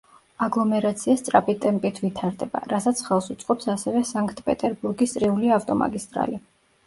აგლომერაცია სწრაფი ტემპით ვითარდება, რასაც ხელს უწყობს ასევე სანქტ-პეტერბურგის წრიული ავტომაგისტრალი.